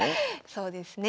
そうですね。